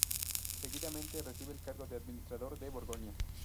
Seguidamente recibe el cargo de Administrador de Borgoña.